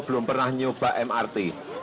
belum pernah nyoba mrt